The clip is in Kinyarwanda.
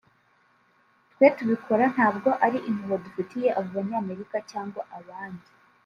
“twe kubikora ntabwo ari impuhwe dufitiye abo banyamerika cyangwa abandi